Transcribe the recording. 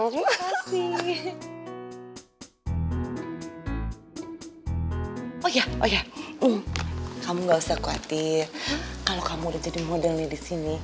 oh ya oh ya kamu nggak usah khawatir kalau kamu jadi modelnya disini